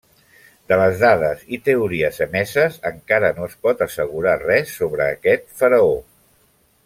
De les dades i teories emeses, encara no es pot assegurar res sobre aquest faraó.